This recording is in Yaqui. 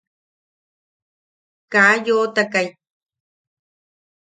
Ka yoʼotakai.